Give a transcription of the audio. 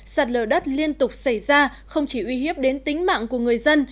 sạt lở đất liên tục xảy ra không chỉ uy hiếp đến tính mạng của người dân